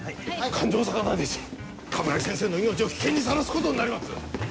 感情を逆なでし鏑木先生の命を危険にさらすことになります。